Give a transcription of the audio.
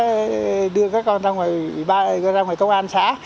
sẽ đưa các con ra ngoài công an xã